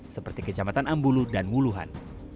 seperti kecamatan ambulu dan muluhan